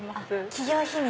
企業秘密？